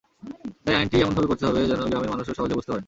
তাই আইনটি এমনভাবে করতে হবে, যেন গ্রামের মানুষও সহজে বুঝতে পারেন।